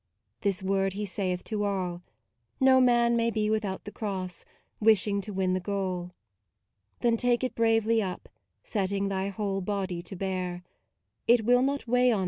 "' This word he saith to all; no man may be MAUDE 121 Without the Cross, wishing to win the Then take it bravely up, setting thy whole Body to bear; it will not weigh on th.